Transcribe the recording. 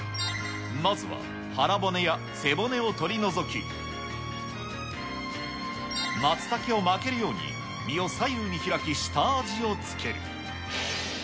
まずは腹骨や背骨を取り除き、マツタケを巻けるように身を左右に開き下味をつける。